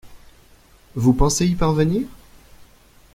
Vous pensez y parvenir?